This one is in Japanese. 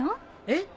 えっ！？